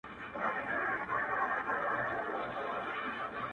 نن ځم له لېونو څخه به سوال د لاري وکم-